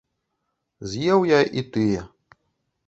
З'еў я і тыя.